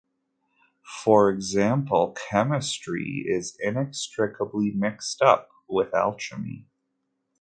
For example chemistry is inextricably mixed up with alchemy.